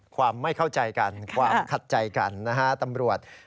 ความไม่เข้าใจกันความขัดใจกันนะฮะตำรวจ